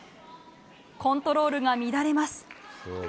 コントロールが乱れます。